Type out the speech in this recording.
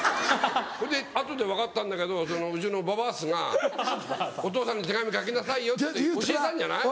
ほんで後で分かったんだけどうちのババースがお父さんに手紙書きなさいよって教えたんじゃない？